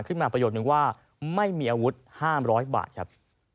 ขึ้นมาประโยชน์หนึ่งว่าไม่มีอาวุธห้ามร้อยบาทครับ